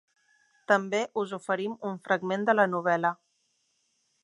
També us oferim un fragment de la novel·la.